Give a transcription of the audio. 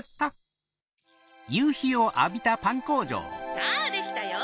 ・さぁできたよ・・